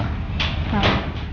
sampai jumpa lagi